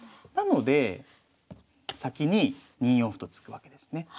なので先に２四歩と突くわけですね。